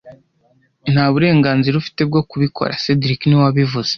Nta burenganzira ufite bwo kubikora cedric niwe wabivuze